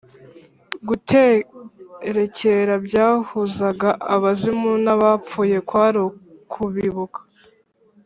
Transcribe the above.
Guterekera byahuzaga abazimu n' abapfuye: kwari ukubibuka.